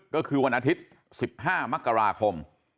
ก็คือวันอาทิตย์๑๕มกราคม